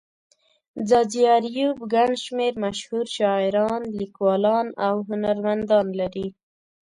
ځاځي اريوب گڼ شمېر مشهور شاعران، ليکوالان او هنرمندان لري.